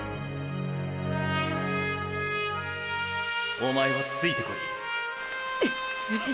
おまえはついてこい。ッ！